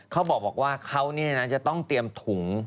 เขาบอกว่าเขาเนี่ยนะจะต้องเตรียมถุง